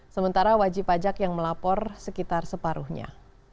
sementara wajib pajak yang melapor sekitar separuhnya